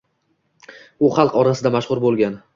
U xalq orasida mashhur bo‘lgan.